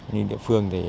như địa phương thì